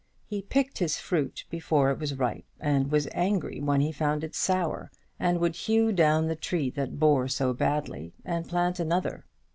He picked his fruit before it was ripe, and was angry when he found it sour, and would hew down the tree that bore so badly, and plant another.